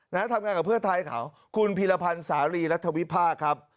ทำงานกับเพื่อไทยเขาคุณพีรพันธ์สารีรัฐวิพากษ์ครับ